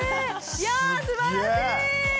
いやぁすばらしい！